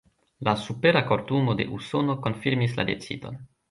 La Supera Kortumo de Usono konfirmis la decidon.